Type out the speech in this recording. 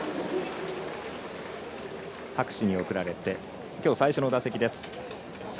拍手に送られて最初の打席です。